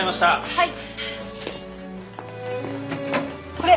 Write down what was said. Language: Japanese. はい。